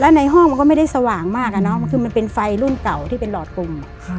ในห้องมันก็ไม่ได้สว่างมากอะเนาะคือมันเป็นไฟรุ่นเก่าที่เป็นหลอดกลุ่ม